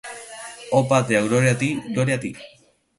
¡Oh Patria! ¡gloria a ti! ¡gloria a ti!